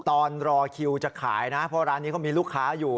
ตอนรอคิวจะขายนะเพราะร้านนี้เขามีลูกค้าอยู่